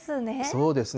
そうですね。